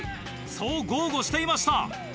そう豪語していました。